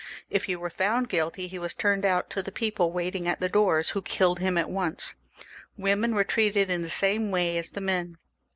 If he were found guilty,, he was turned out to the people waiting at the doors, who 404 THE REVOLUTION. [CH. killed TiiTTi at once. Women were treated in the some way as the men.